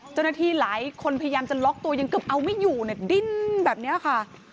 เจ้าหน้าที่หลายคนพยายามจะล็อกตัวยังเกือบเอาไม่อยู่เนี่ยดิ้นแบบนี้ค่ะ